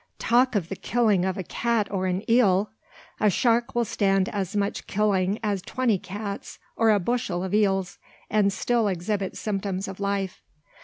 Talk of the killing of a cat or an eel! a shark will stand as much killing as twenty cats or a bushel of eels, and still exhibit symptoms of life.